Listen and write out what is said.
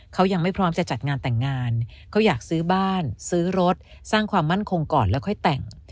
เขายังไม่พร้อมจะจัดงานแต่งงานเขาอยากซื้อบ้านซื้อรถสร้างความมั่นคงก่อนแล้วค่อยแต่ง